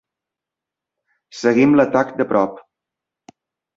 Seguim l'atac de prop.